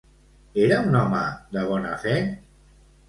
Era un home de bona fe?